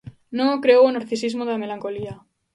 Non o creou o narcisismo da melancolía.